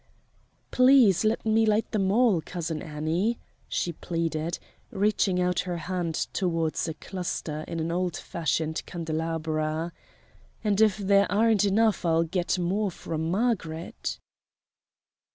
"Please let me light them all, Cousin Annie," she pleaded, reaching out her hand toward a cluster in an old fashioned candelabra "and if there aren't enough I'll get more from Margaret."